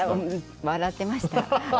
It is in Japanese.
笑ってました。